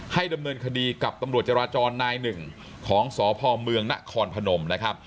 ดำเนินคดีกับตำรวจจราจรนายหนึ่งของสพเมืองนครพนมนะครับ